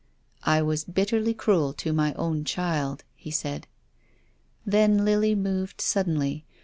" I was bitterly cruel to my own child," he said. Then Lily moved suddenly.